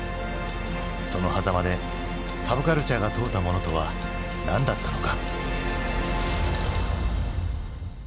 そのはざまでサブカルチャーが問うたものとは何だったのか。